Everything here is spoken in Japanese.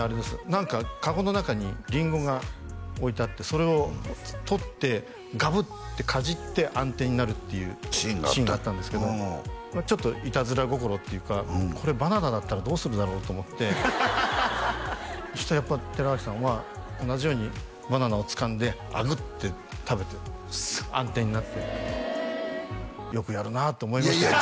何か籠の中にリンゴが置いてあってそれを取ってガブッてかじって暗転になるっていうシーンだったんですけどちょっとイタズラ心っていうかこれバナナだったらどうするだろうと思ってそしたらやっぱり寺脇さんは同じようにバナナをつかんでアグッて食べて暗転になってへえよくやるなと思いましたよ